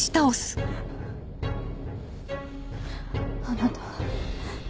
あなたは。